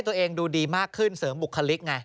ตัวเองดูดีมากขึ้นเสริมบุคลิกไง